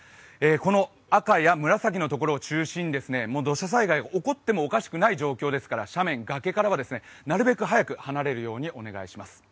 この赤や紫のところを中心に土砂災害起こってもおかしくない状況ですので斜面、崖からはなるべく早く離れるようにしてください。